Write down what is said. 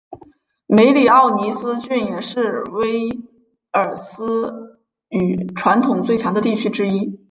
梅里奥尼斯郡也是威尔斯语传统最强的地区之一。